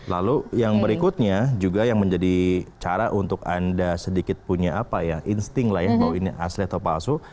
lalu yang berikutnya juga yang menjadi cara untuk anda sedikit punya apa ya insting lah ya bahwa ini asli atau palsu